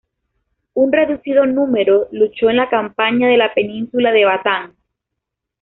Un reducido número luchó en la Campaña de la península de Batán.